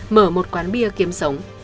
mở một quán bia kiếm sống